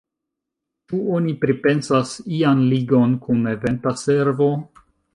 Ĉu oni pripensas ian ligon kun Eventa servo?